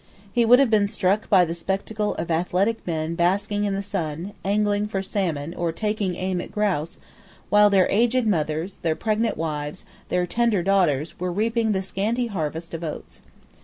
He would have been struck by the spectacle of athletic men basking in the sun, angling for salmon, or taking aim at grouse, while their aged mothers, their pregnant wives, their tender daughters, were reaping the scanty harvest of oats.